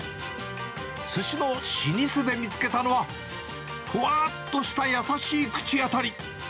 すしの老舗で見つけたのは、ふわっとした優しい口当たり。